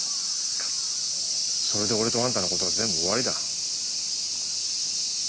それで俺とあんたの事は全部終わりだ。